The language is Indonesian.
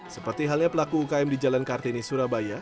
seperti halnya pelaku ukm di jalan kartini surabaya